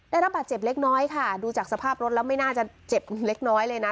ได้รับบาดเจ็บเล็กน้อยค่ะดูจากสภาพรถแล้วไม่น่าจะเจ็บเล็กน้อยเลยนะ